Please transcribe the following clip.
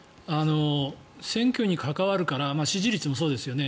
選挙に関わるから支持率もそうですよね。